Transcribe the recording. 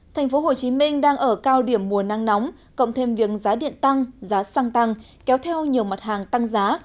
thành phố hồ chí minh đang ở cao điểm mùa nắng nóng cộng thêm việc giá điện tăng giá xăng tăng kéo theo nhiều mặt hàng tăng giá